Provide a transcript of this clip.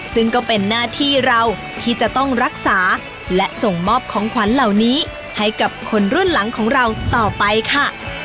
ซึ่งก็เป็นหน้าที่เราที่จะต้องรักษาและส่งมอบของขวัญเหล่านี้ให้กับคนรุ่นหลังของเราต่อไปค่ะ